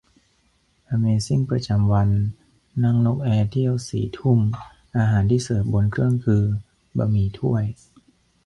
อเมซิ่งประจำวัน : นั่งนกแอร์เที่ยวสี่ทุ่ม อาหารที่เสิร์ฟบนเครื่องคือ บะหมี่ถ้วย !